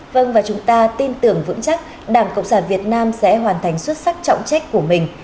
vâng và chúng ta tin tưởng vững chắc đảng cộng sản việt nam sẽ hoàn thành xuất sắc trọng trách của mình